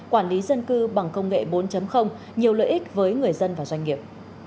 quản lý dân cư bằng công nghệ bốn nhiều lợi ích với người dân và doanh nghiệp